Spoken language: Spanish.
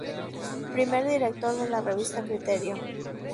Primer director de la revista Criterio.